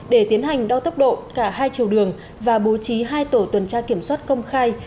để tiến hành đo tốc độ cả hai chiều đường và bố trí hai tổ tuần tra kiểm soát công khai